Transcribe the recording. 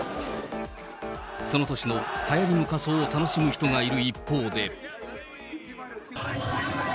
その年のはやりの仮装を楽しむ人がいる一方で。